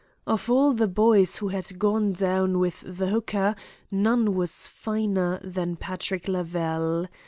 Of all the boys who had gone down with the hooker none was finer than Patrick Lavelle.